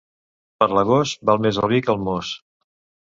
Per l'agost, val més el vi que el most.